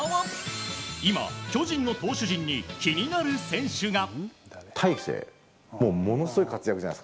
今、巨人の投手陣に気になる選手が。